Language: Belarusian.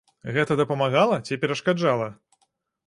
Гэта дапамагала ці перашкаджала?